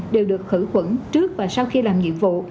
đều được khử khuẩn trước và sau khi làm nhiệm vụ